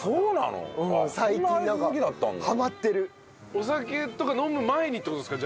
お酒とか飲む前にって事ですか？